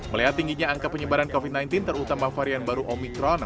melihat tingginya angka penyebaran covid sembilan belas terutama varian baru omikron